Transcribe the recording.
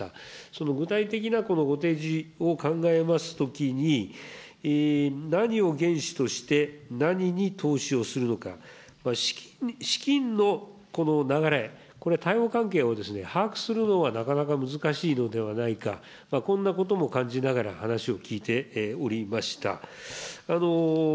その具体的なご提示を考えますときに、何を原資として何に投資をするのか、資金の、この流れ、これは関係を把握するのはなかなか難しいのではないか、こんなことを感じながら話を聞いておりました。